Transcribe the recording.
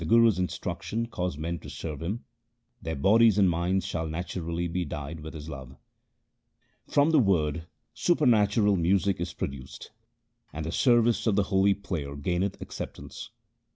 176 THE SIKH RELIGION If God by the Guru's instruction cause men to serve Him, Their bodies and minds shall naturally be dyed with His love. From the Word supernatural music is produced, and the service of the holy player gaineth acceptance.